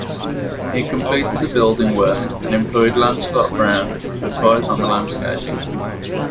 He completed the building work and employed Lancelot Brown to advise on the landscaping.